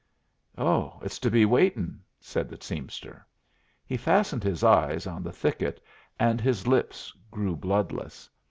"Oh, it's to be waitin'?" said the teamster. He fastened his eyes on the thicket, and his lips grew bloodless.